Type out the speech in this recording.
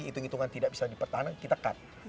hitung hitungan tidak bisa dipertahankan kita cut